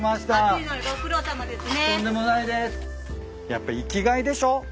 やっぱ生きがいでしょ。